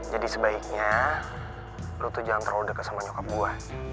jadi sebaiknya lo tuh jangan terlalu deket sama nyokap gue